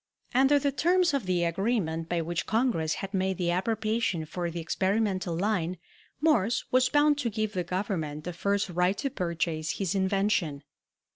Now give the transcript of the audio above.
Under the terms of the agreement by which Congress had made the appropriation for the experimental line, Morse was bound to give the Government the first right to purchase his invention.